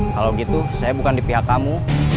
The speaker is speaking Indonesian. kalau gitu saya bukan di pihak kamu